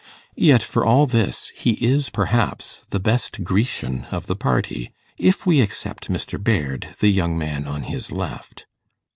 Yet for all this, he is perhaps the best Grecian of the party, if we except Mr. Baird, the young man on his left.